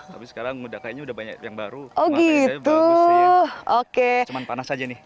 tapi sekarang udah kayaknya banyak yang baru oh gitu oke cuman panas aja nih